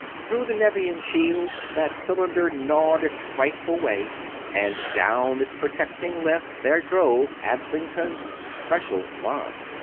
Through the Nevian shield that cylinder gnawed its frightful way, and down its protecting length there drove Adlington's "Special" bomb.